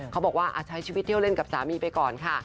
บอกว่าใช้ชีวิตเที่ยวเล่นกับสามีไปก่อนค่ะ